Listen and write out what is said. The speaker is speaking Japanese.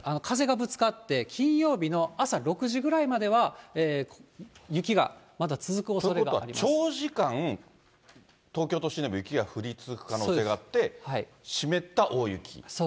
風がぶつかって、金曜日の朝６時ぐらいまでは、雪がまだ続くおそれがあります。ということは長時間、東京都心では雪が降り続く可能性があって、湿った大雪。